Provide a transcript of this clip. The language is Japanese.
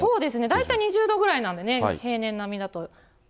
大体２０度ぐらいなんでね、平年並みだと。